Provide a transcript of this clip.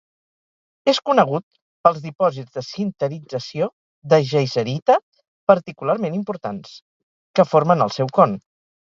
És conegut pels dipòsits de sinterització de geiserita particularment importants, que formen el seu con.